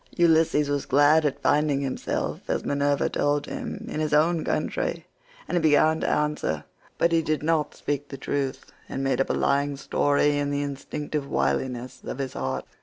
Ulysses was glad at finding himself, as Minerva told him, in his own country, and he began to answer, but he did not speak the truth, and made up a lying story in the instinctive wiliness of his heart.